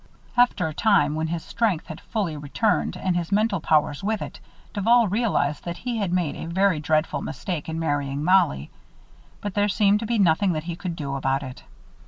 After a time, when his strength had fully returned and his mental powers with it, Duval realized that he had made a very dreadful mistake in marrying Mollie; but there seemed to be nothing that he could do about it.